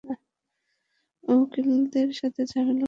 উকিলদের সাথে ঝামেলা করছেন কেন?